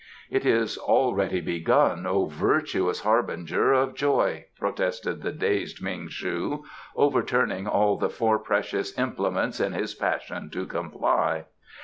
"It is already begun, O virtuous harbinger of joy," protested the dazed Ming shu, overturning all the four precious implements in his passion to comply.